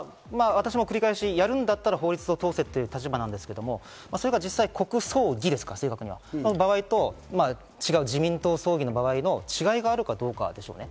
私も繰り返しやるんだったら法律を通せという立場なんですが、それが実際、国葬儀の場合と自民党葬儀の場合の違いがあるかどうかでしょうね。